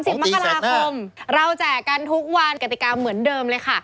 สิบมกราคมเราแจกกันทุกวันกติกาเหมือนเดิมเลยค่ะ